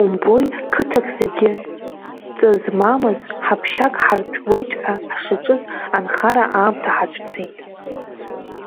Умбои, қыҭак зегьы ҵазмамыз ҳаԥшьак ҳарҭәуеит ҳәа ҳшаҿыз, анхара аамҭа ҳацәцеит.